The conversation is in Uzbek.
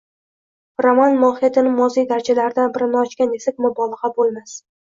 Roman mohiyatan moziy darichalaridan birini ochgan, desak mubolag`a bo`lmas